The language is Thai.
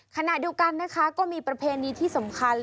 ขณะเดียวกันนะคะก็มีประเพณีที่สำคัญ